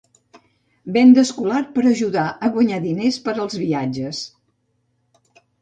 Venda escolar per ajudar a guanyar diners per als viatges.